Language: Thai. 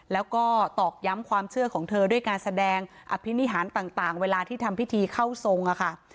แล้วก็ตอกย้ำความเชื่อของเธอด้วยการแสดงอภินิหารต่างเวลาที่ทำพิธีเข้าทรงอะค่ะ